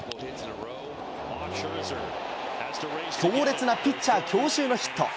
強烈なピッチャー強襲のヒット。